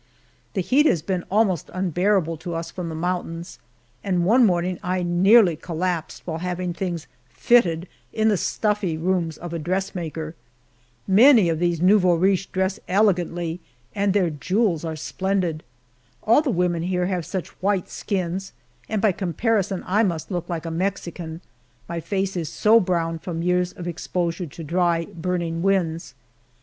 The heat has been almost unbearable to us from the mountains, and one morning I nearly collapsed while having things "fitted" in the stuffy rooms of a dressmaker. Many of these nouveaux riches dress elegantly, and their jewels are splendid. All the women here have such white skins, and by comparison I must look like a Mexican, my face is so brown from years of exposure to dry, burning winds.